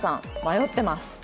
「迷ってます」。